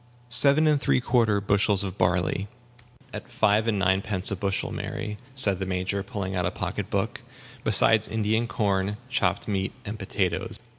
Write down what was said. "Seven and three quarter bushels of barley, at five and ninepence a bushel, Mary," said the Major, pulling out a pocket book; "besides Indian corn, chopped meat, and potatoes."